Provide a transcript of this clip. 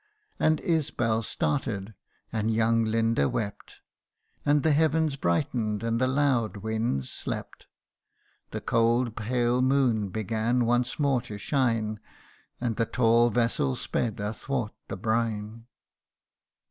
And Isbal started, and young Linda wept ; And the heavens brighten'd, and the loud winds slept. The cold pale moon began once more to shine, And the tall vessel sped athwart the brine.